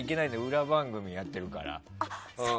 裏番組やってるから。